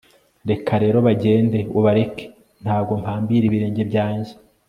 reka rero bagende, ubareke. ntabwo mpambira ibirenge byanjye